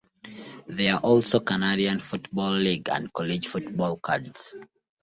There are also Canadian Football League and college football cards.